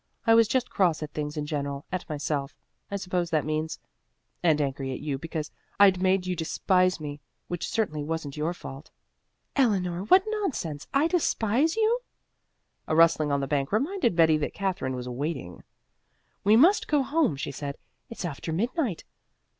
I was just cross at things in general at myself, I suppose that means, and angry at you because I'd made you despise me, which certainly wasn't your fault." "Eleanor, what nonsense! I despise you?" A rustling on the bank reminded Betty that Katherine was waiting. "We must go home," she said. "It's after midnight."